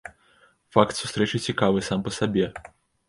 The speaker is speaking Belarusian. Факт сустрэчы цікавы сам па сабе.